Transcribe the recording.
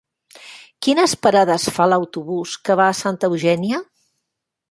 Quines parades fa l'autobús que va a Santa Eugènia?